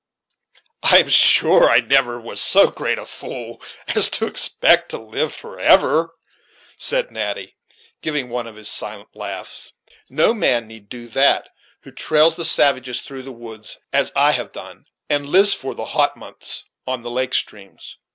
"I'm sure I never was so great a fool as to expect to live forever," said Natty, giving one of his silent laughs; "no man need do that who trails the savages through the woods, as I have done, and lives, for the hot months, on the lake streams.